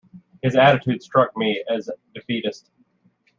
His attitude struck me as defeatist.